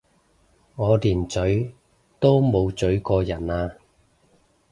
我連咀都冇咀過人啊！